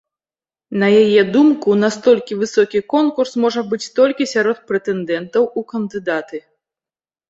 На яе думку, настолькі высокі конкурс можа быць толькі сярод прэтэндэнтаў у кандыдаты.